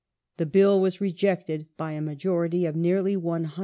The Bill was rejected by a majority of nearly 100.